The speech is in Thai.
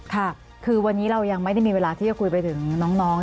ค่ะคือวันนี้เรายังไม่ได้มีเวลาที่จะคุยไปถึงน้อง